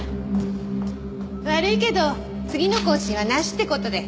悪いけど次の更新はなしって事で。